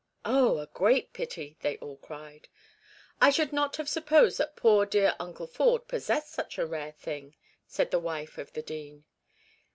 'Oh, a great pity!' they all cried. 'I should not have supposed that poor dear uncle Ford possessed such a rare thing,' said the wife of the dean.